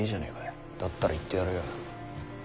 だったら言ってやるよ。